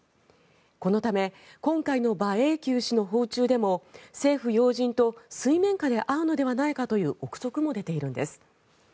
このため今回の馬英九氏の訪中でも政府要人と水面下で会うのではないかという臆測も出ているんです。